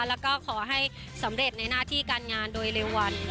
แล้วก็ขอให้สำเร็จในหน้าที่การงานโดยเร็ววัน